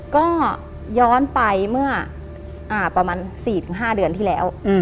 ก็ย้อนไปเมื่อประมาณ๔๕เดือนที่แล้ว